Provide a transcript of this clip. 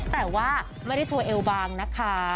แต่ว่าไม่ได้โชว์เอวบางนะคะ